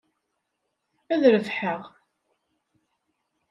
Ad rebḥeɣ.